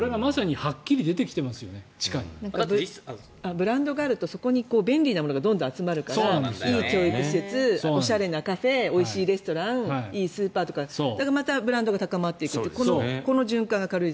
ブランドがあるとそこに便利なものがどんどん集まるからいい教育施設、おしゃれなカフェおいしいレストランいいスーパーとかまたブランドが高まっていくというこの循環が軽井沢。